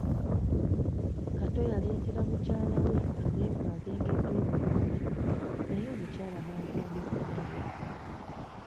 Kato yaletera mukyala we amenvu agengedde obulungi naye omukyala n'agaana okugalya.